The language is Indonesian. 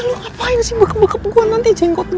lo ngapain sih bekep bekep gue nanti jenggot gue nih